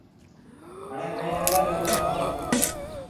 هڻيَ مهيَ الگ الگ هون۔